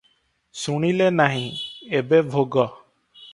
ଶୁଣିଲେ ନାହିଁ, ଏବେ ଭୋଗ ।"